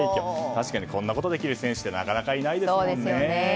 確かにこんなことできる選手ってなかなかいないですもんね。